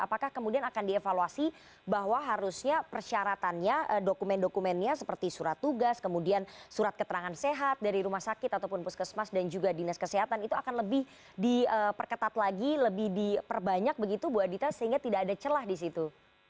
apakah kemudian akan dievaluasi bahwa harusnya persyaratannya dokumen dokumennya seperti surat tugas kemudian surat keterangan sehat dari rumah sakit ataupun puskesmas dan juga dinas kesehatan itu akan lebih diperketat lagi lebih diperbanyak begitu bu adita sehingga tidak ada celah di situ